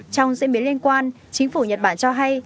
trong diễn biến liên quan chính phủ nhật bản cho hay